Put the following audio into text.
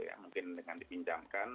ya mungkin dengan dipinjamkan